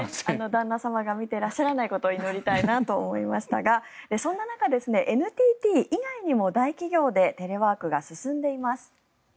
旦那様が見てらっしゃらないことを祈りたいなと思いましたがそんな中、ＮＴＴ以外にも大企業でテレワークが進んでいます。